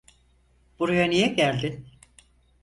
Buraya niye geldin?